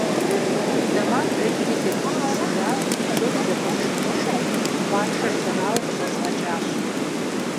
Зэман дэкӀри, сегупсысыжащ, псори зэпэсшэчыжри, къуаншэр сэрауэ къыщӀэзгъэкӀащ.